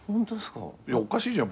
おかしいじゃん